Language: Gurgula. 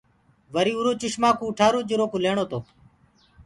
وري اُرو چشمآ ڪوُ اُٺآرو جِرو ڪُو ليڻو تو۔